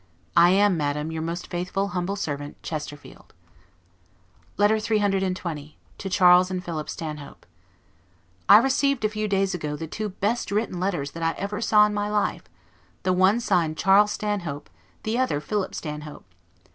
I am, Madam, your most faithful, humble servant, CHESTERFIELD. LETTER CCCXX TO CHARLES AND PHILIP STANHOPE I RECEIVED a few days ago two the best written letters that ever I saw in my life; the one signed Charles Stanhope, the other Philip Stanhope.